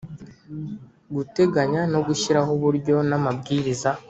Guteganya no gushyiraho uburyo n amabwiriza